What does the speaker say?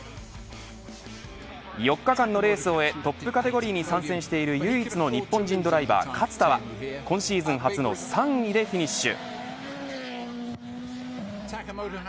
４日間のレースを終えトップカテゴリーに参戦している唯一の日本人ドライバー勝田は今シーズン初の３位でフィニッシュ。